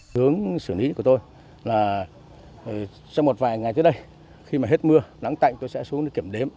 hướng xử lý của tôi là sau một vài ngày tới đây khi mà hết mưa nắng tạnh tôi sẽ xuống để kiểm đếm